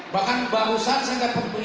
bahkan barusan saya dapat